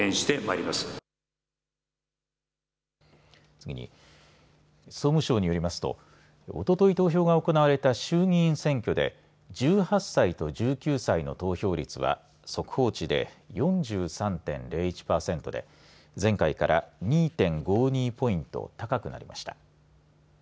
次に総務省によりますとおととい投票が行われた衆議院選挙で１８歳と１９歳の投票率は速報値で４３．０１パーセントで前回から２．５２ポイント高くなりました。